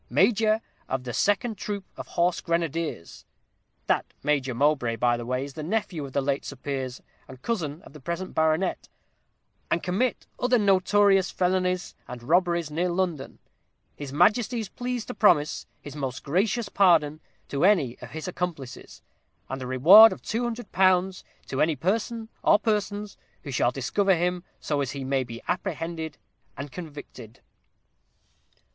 Major of the 2d troop of Horse Grenadiers_' that Major Mowbray, by the by, is a nephew of the late Sir Piers, and cousin of the present baronet '_and commit other notorious felonies and robberies near London, his Majesty is pleased to promise his most gracious pardon to any of his accomplices, and a reward of two hundred pounds to any person or persons who shall discover him, so as he may be apprehended and convicted_.'"